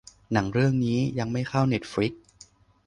หนังเรื่องนี้ยังไม่เข้าเน็ตฟลิกซ์